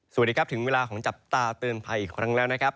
สวัสดีครับถึงเวลาของจับตาเตือนภัยอีกครั้งแล้วนะครับ